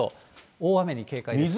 大雨に警戒です。